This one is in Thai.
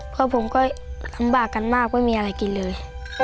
เพราะผมก็ลำบากกันมากไม่มีอะไรกินเลย